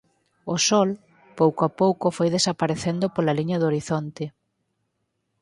O sol, pouco a pouco foi desaparecendo pola liña do horizonte.